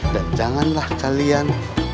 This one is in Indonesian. dan janganlah kalian